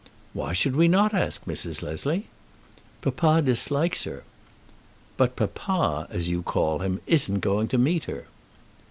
"Why should we not ask Mrs. Leslie?" "Papa dislikes her." "But 'papa,' as you call him, isn't going to meet her."